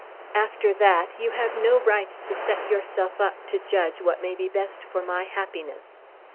"After that you have no right to set yourself up to judge what may be best for my happiness.